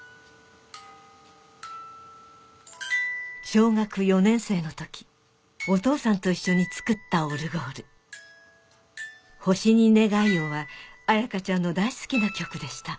小学４年生の時お父さんと一緒に作ったオルゴール『星に願いを』は彩花ちゃんの大好きな曲でした